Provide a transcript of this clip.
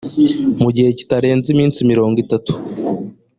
mu gihe kitarenze iminsi mirongo itatu